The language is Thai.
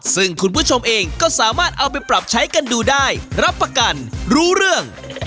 ซึ่งคุณผู้ชมเองก็สามารถเอาไปปรับใช้กันดูได้รับประกันรู้เรื่อง